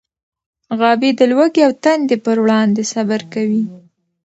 غابي د لوږې او تندې پر وړاندې صبر کوي.